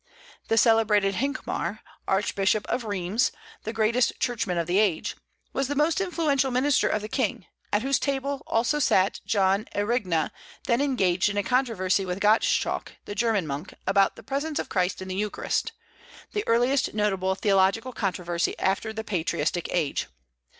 The celebrated Hincmar, Archbishop of Rheims, the greatest churchman of the age, was the most influential minister of the king; at whose table also sat John Erigena, then engaged in a controversy with Gotteschalk, the German monk, about the presence of Christ in the eucharist, the earliest notable theological controversy after the Patristic age.